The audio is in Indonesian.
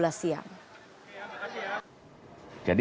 jadi yang terjadi